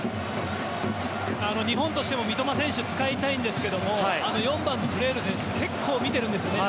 日本としても三笘選手使いたいんですけども４番のフレール選手結構、見てるんですよね。